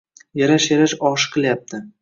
Yarash-yarash oshi qilyapti